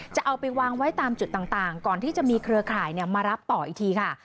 จะเอาไปวางไว้ตามจุดต่างก่อนที่จะมีเครือข่ายมารับต่ออีกทีค่ะ